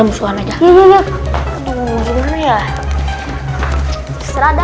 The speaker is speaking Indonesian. musuhan aja ya ya ya aduh gimana ya serada